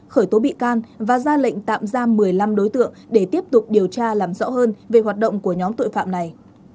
khởi tố bị can và ra lệnh tạm giam một mươi năm đối tượng để tiếp tục điều tra làm rõ hơn về hoạt động của nhóm tội phạm này